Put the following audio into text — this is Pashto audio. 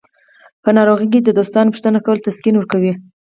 په ناروغۍ کې د دوستانو پوښتنه کول تسکین ورکوي.